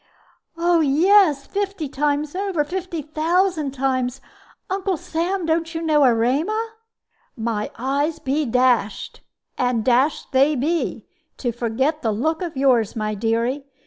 "Yes, fifty times over fifty thousand times. Uncle Sam, don't you know Erema?" "My eyes be dashed! And dashed they be, to forget the look of yours, my dearie.